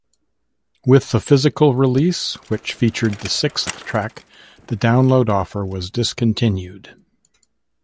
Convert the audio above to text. With the physical release, which featured the sixth track, the download offer was discontinued.